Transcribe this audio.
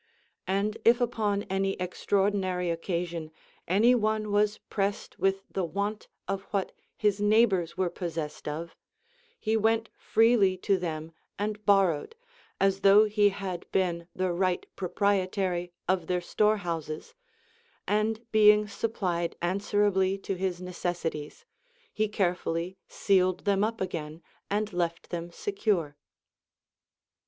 And if upon any extraordinary occasion any one was pressed with the want of what his neig hbors were possessed of, he went freely to them and borrowed, as though he had been the right pro prietary of their storehouses ; and being supplied answer ably to his necessities, he carefully sealed them up again and left them secure.